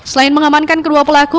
selain mengamankan kedua pelaku